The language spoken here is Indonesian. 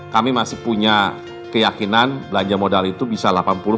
kami masih punya keyakinan belanja modal itu bisa delapan puluh